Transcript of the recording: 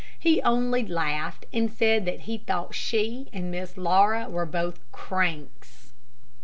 He only laughed and said that he thought she and Miss Laura were both "cranks."